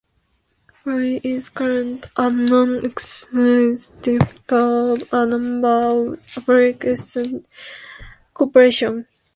Vaile is currently a non-executive director of a number of public listed corporations.